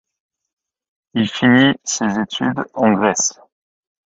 Il finit ses études en Grèce.